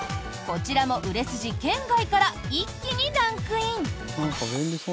こちらも売れ筋圏外から一気にランクイン。